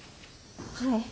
はい。